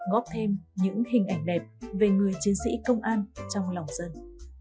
góp thêm những hình ảnh đẹp về người chiến sĩ công an trong lòng dân